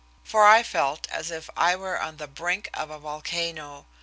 For I felt as if I were on the brink of a volcano.